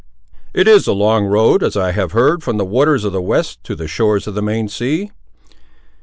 "It is a long road, as I have heard, from the waters of the west to the shores of the main sea?"